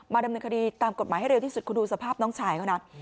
ดำเนินคดีตามกฎหมายให้เร็วที่สุดคุณดูสภาพน้องชายเขานะ